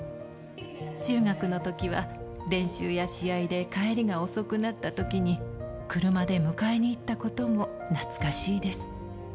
中学のときは練習や試合で帰りが遅くなったときに、車で迎えに行ったことも懐かしいです。